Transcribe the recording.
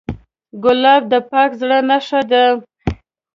ګلاب د پاک زړه نښه ده.